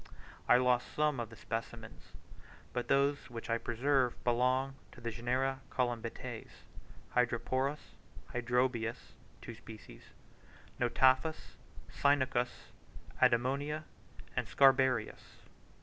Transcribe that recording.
I lost some of the specimens, but those which I preserved belonged to the genera Colymbetes, Hydroporus, Hydrobius (two species), Notaphus, Cynucus, Adimonia, and Scarabaeus.